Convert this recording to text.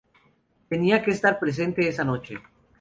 Tenía que estar presente esa noche.